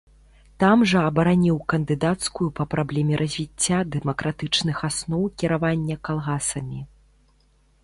Там жа абараніў кандыдацкую па праблеме развіцця дэмакратычных асноў кіравання калгасамі.